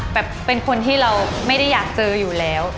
เป็นคนที่เราไม่ได้อยากเจออยู่แล้ว